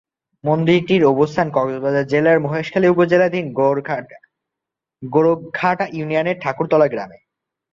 মন্দিরটির অবস্থান কক্সবাজার জেলার মহেশখালী উপজেলাধীন গোরখঘাটা ইউনিয়নের ঠাকুরতলা গ্রামে।